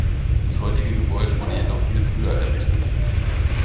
Das heutige Gebäude wurde jedoch viel früher errichtet.